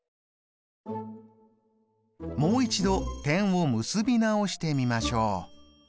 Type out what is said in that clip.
もう一度点を結び直してみましょう。